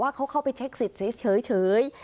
เขาเข้าไปเช็คสิทธิ์เฉย